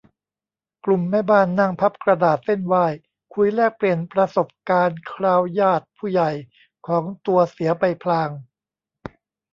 กลุ่มแม่บ้าน นั่งพับกระดาษเซ่นไหว้ คุยแลกเปลี่ยนประสบการณ์คราวญาติผู้ใหญ่ของตัวเสียไปพลาง